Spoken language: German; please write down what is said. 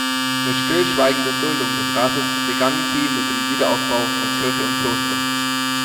Mit stillschweigender Duldung des Rates begannen sie mit dem Wiederaufbau von Kirche und Kloster.